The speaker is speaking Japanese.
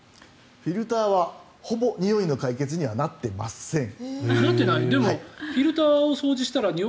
フィルターはほぼにおいの解決にはなってません。